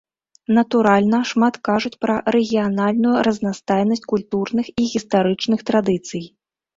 Натуральна, шмат кажуць пра рэгіянальную разнастайнасць культурных і гістарычных традыцый.